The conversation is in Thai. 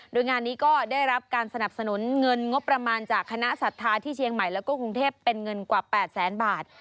โดยงานนี้ก็ได้รับการสนับสนุนเงินงบประมาณจากคณะศรัทธาที่เชียงใหม่แล้วก็กรุงเทพเป็นเงินกว่า๘แสนบาท